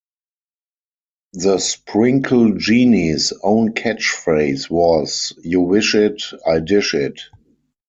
The Sprinkle Genie's own catchphrase was: You wish it, I dish it!